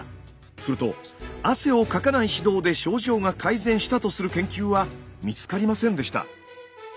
すると汗をかかない指導で症状が改善したとする研究は見つかりませんでした。